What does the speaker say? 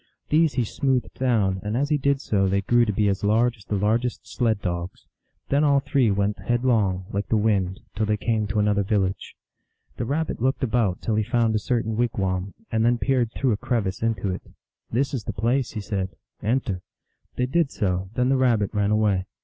These he smoothed down, and as he did so they grew to be as large as the largest sled dogs. Then all three went headlong, like the wind, till they came to an other village. The Rabbit looked about till he found a certain wigwam, and then peered through a crevice into it. " This is the place," he said. " Enter." They did so ; then the Rabbit ran away.